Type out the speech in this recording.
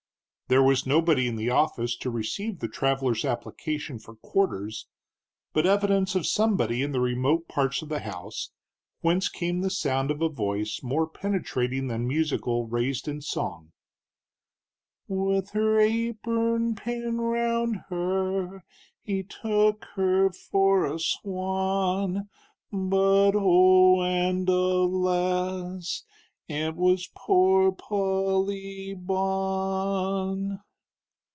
There was nobody in the office to receive the traveler's application for quarters, but evidence of somebody in the remote parts of the house, whence came the sound of a voice more penetrating than musical, raised in song. With her apurn pinned round her, He took her for a swan, But oh and a las, it was poor Pol ly Bawn.